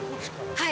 はい。